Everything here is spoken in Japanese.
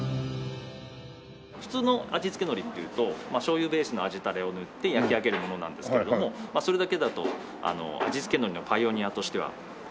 普通の味付け海苔っていうと醤油ベースの味タレを塗って焼き上げるものなんですけれどもそれだけだと味付け海苔のパイオニアとしては。